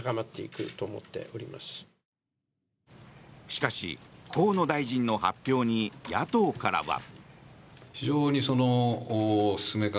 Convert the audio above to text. しかし、河野大臣の発表に野党からは。